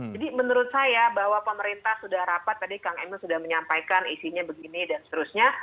jadi menurut saya bahwa pemerintah sudah rapat tadi kang emil sudah menyampaikan isinya begini dan seterusnya